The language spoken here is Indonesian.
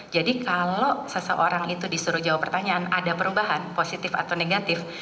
jadi kalau seseorang itu disuruh jawab pertanyaan ada perubahan positif atau negatif